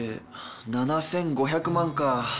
７５００万か。